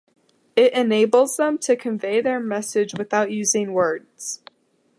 It enables them to convey their message without using words.